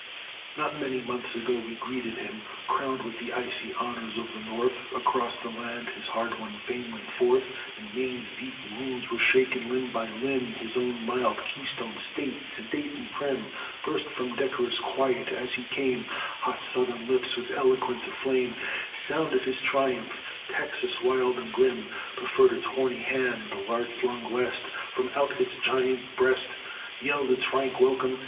Not many months ago we greeted him, Crown'd with the icy honors of the North, Across the land his hard won fame went forth, And Maine's deep woods were shaken limb by limb; His own mild Keystone State, sedate and prim, Burst from decorous quiet as he came; Hot Southern lips with eloquence aflame Sounded his triumph. Texas, wild and grim, Proffer'd its horny hand. The large lung'd West, From out its giant breast, Yell'd its frank welcome.